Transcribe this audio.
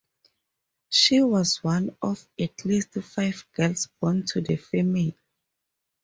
She was one of at least five girls born to the family.